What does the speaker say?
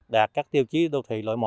đạt các tiêu chí đô thị lội một